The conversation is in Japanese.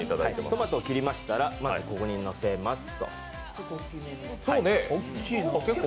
トマトを切りましたら、まずここにのせます。